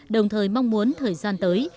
đồng thời mong muốn thời gian tới